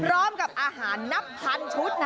พร้อมกับอาหารนับพันชุดนะ